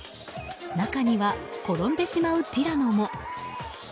中には転んでしまうティラノも。